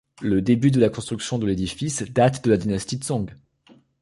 Le début de la construction de l'édifice date de la dynastie Song.